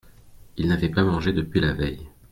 Il n'avait pas mangé depuis la veille.